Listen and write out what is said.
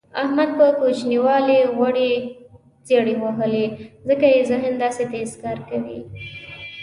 احمد په کوچینوالي غوړې زېړې وهلي ځکه یې ذهن داسې تېز کار کوي.